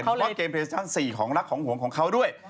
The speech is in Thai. เพราะว่าเกมเลชั่น๔ของรักของห่วงของเขาด้วย